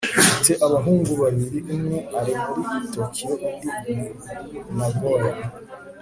mfite abahungu babiri umwe ari muri tokiyo undi ni nagoya